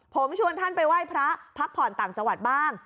ผมชวนท่านไปไหว้พระพักผ่อนต่างจังหวัดบ้าง